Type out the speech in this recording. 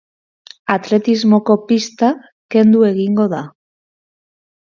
Atletismoko pista kendu egingo da.